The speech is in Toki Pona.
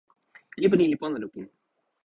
lipu ni li pona lukin.